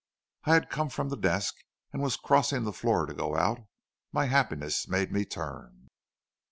"I had come from the desk, and was crossing the floor to go out. My happiness made me turn.